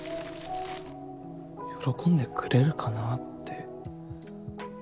「喜んでくれるかなぁ」って。